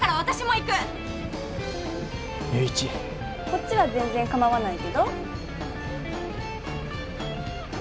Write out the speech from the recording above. こっちは全然構わないけど？